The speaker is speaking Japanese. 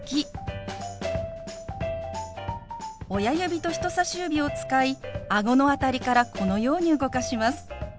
親指と人さし指を使いあごの辺りからこのように動かします。